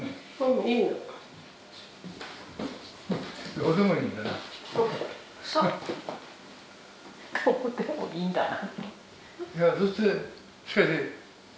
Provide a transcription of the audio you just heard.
どうでもいいんだな。